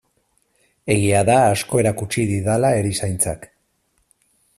Egia da asko erakutsi didala erizaintzak.